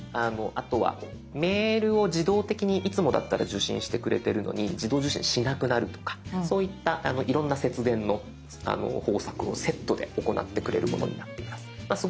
あとはメールを自動的にいつもだったら受信してくれてるのに自動受信しなくなるとかそういったいろんな節電の方策をセットで行ってくれるものになっています。